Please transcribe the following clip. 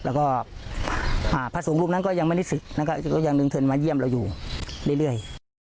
แล้วก็พระสงฆ์รูปนั้นก็ยังไม่ได้ศึกนะครับก็ยังดึงเทินมาเยี่ยมเราอยู่เรื่อย